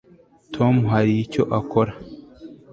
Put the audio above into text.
tom hari icyo akora